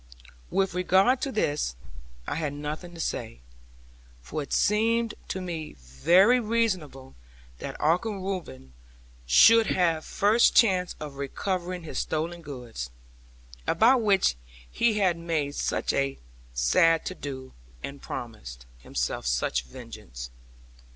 With regard to this, I had nothing to say; for it seemed to me very reasonable that Uncle Reuben should have first chance of recovering his stolen goods, about which he had made such a sad to do, and promised himself such vengeance.